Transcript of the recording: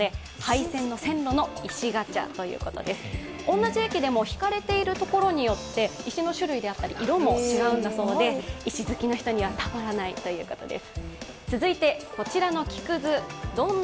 同じ駅でも敷かれているところによって石の種類であったり色も違うんだそうで石好きな人にはたまらないということです。